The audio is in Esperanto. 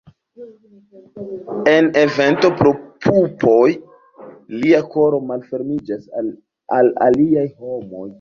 En eventoj pro pupoj, lia koro malfermiĝas al aliaj homoj.